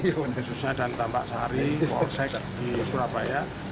khususnya dan tampak sari polsik di surabaya